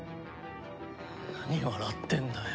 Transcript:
何笑ってんだよ！